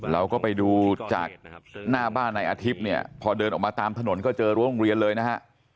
เราก็ไปดูจากหน้าบ้านในอาทิตย์เนี่ยพอเดินออกมาตามถนนก็เจอรั้วโรงเรียนเลยนะฮะ